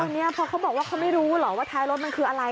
นี่เพราะเขาบอกว่าเขาไม่รู้เหรอว่าท้ายรถมันคืออะไร